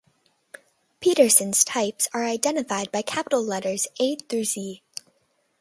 Petersen's types are identified by capital letters A-Z.